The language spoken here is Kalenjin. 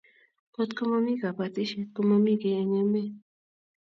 kot mami kabatishiet komami kii eng emet